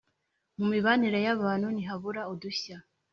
mu mibanire y’abantu ntihabura udushya